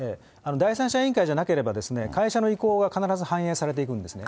第三者委員会じゃなければ、会社の意向が必ず反映されていくんですね。